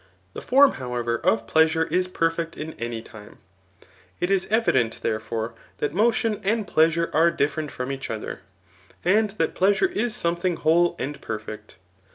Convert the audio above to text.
The form however of plea sure is perfect in any time. It is evident, therefore, that modon and pleasure are different from each other, an4 that pleasure is something whole and perfect.